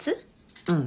うん。